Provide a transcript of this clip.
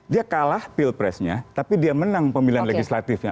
dia kalah pilpresnya tapi dia menang pemilihan legislatifnya